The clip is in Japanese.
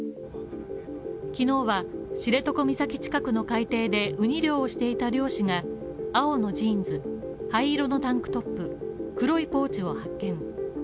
昨日は知床岬近くの海底でウニ漁をしていた漁師が青のジーンズ、灰色のタンクトップ、黒いポーチを発見。